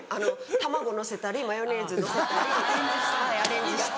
卵のせたりマヨネーズのせたりアレンジして。